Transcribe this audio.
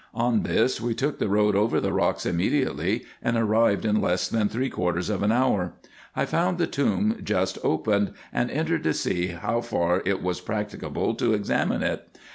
On this we took the road over the rocks immediately, and arrived in less than three quarters of an hour. I found the tomb just opened, and entered to see how far it was practicable to examine it.